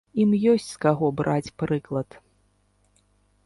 Ім ёсць з каго браць прыклад.